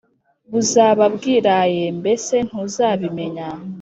Buzaba bwiraye mbese ntuzabimenya